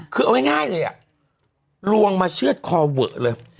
คือเอาง่ายเลยลวงมาเชื่อดคอเวอะเลย